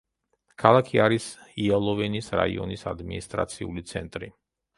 ქალაქი არის იალოვენის რაიონის ადმინისტრაციული ცენტრი.